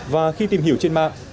và khi tìm hiểu trên mạng